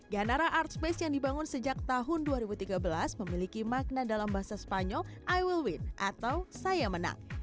ganara artspace yang dibangun sejak tahun dua ribu tiga belas memiliki makna dalam bahasa spanyol i will win atau saya menang